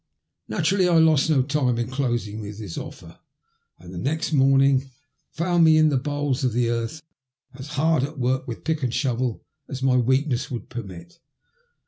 Naturally I lost no time in closing with his offer, and the following morning found me in the bowels of the earth as hard at work with pick and shovel as my weakness would permit.